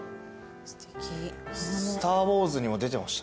すてき。